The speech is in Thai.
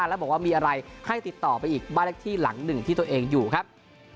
แล้วบอกว่ามีอะไรให้ติดต่อไปอีกบ้านเล็กที่หลังหนึ่งที่ตัวเองอยู่ครับ